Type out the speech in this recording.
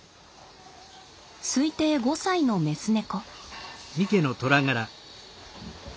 推定５歳のメス猫。